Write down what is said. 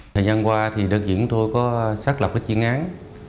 thời gian qua thì đơn chuyển tôi có xác lập cái chuyên án